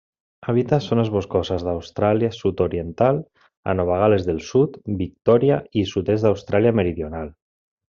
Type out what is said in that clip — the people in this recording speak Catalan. Habita zones boscoses d'Austràlia sud-oriental, a Nova Gal·les del Sud, Victòria i sud-est d'Austràlia Meridional.